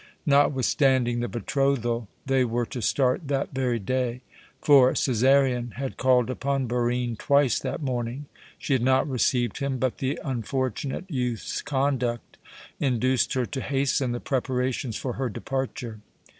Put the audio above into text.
Notwithstanding the betrothal, they were to start that very day; for Cæsarion had called upon Barine twice that morning. She had not received him, but the unfortunate youth's conduct induced her to hasten the preparations for her departure.